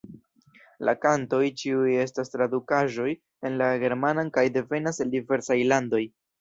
La kantoj ĉiuj estas tradukaĵoj en la germanan kaj devenas el diversaj landoj.